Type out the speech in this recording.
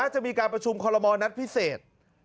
จะมีการประชุมคอลโมนัดพิเศษ